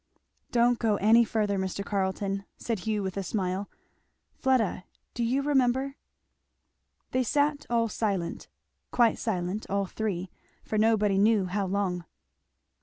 '" "Don't go any further, Mr. Carleton," said Hugh with a smile. "Fleda do you remember?" They sat all silent, quite silent, all three, for nobody knew how long.